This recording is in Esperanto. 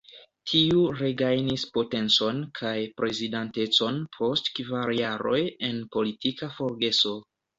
Tiu regajnis potencon kaj prezidantecon post kvar jaroj en politika forgeso.